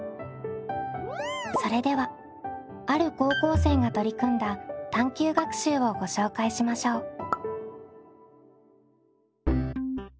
それではある高校生が取り組んだ探究学習をご紹介しましょう。